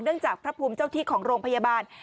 จากพระภูมิเจ้าที่ของโรงพยาบาล